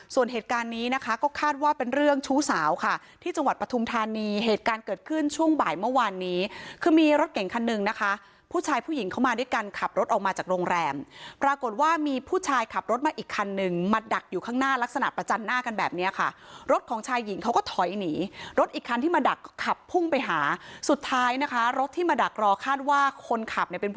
ส่วนเหตุการณ์นี้นะคะก็คาดว่าเป็นเรื่องชู้สาวค่ะที่จังหวัดปทุมธานีเหตุการณ์เกิดขึ้นช่วงบ่ายเมื่อวานนี้คือมีรถเก่งคันนึงนะคะผู้ชายผู้หญิงเข้ามาด้วยกันขับรถออกมาจากโรงแรมปรากฏว่ามีผู้ชายขับรถมาอีกคันนึงมาดักอยู่ข้างหน้ารักษณะประจันหน้ากันแบบเนี้ยค่ะรถของชายหญิงเขาก็ถอยหนีรถอีก